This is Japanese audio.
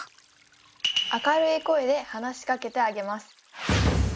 明るい声で話しかけてあげます。